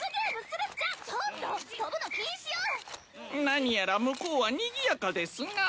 何やら向こうはにぎやかですな。